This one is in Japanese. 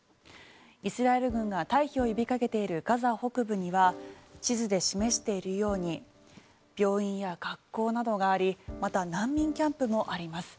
イスラエル軍が退避を呼びかけているガザ北部には地図で示しているように病院や学校などがありまた難民キャンプもあります。